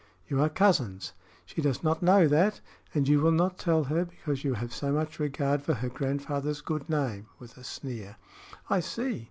"You are cousins." "She does not know that, and you will not tell her because you have so much regard for her grandfather's good name," with a sneer. "I see.